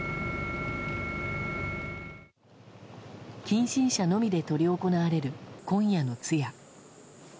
近親者のみで執り行われる今夜の通夜。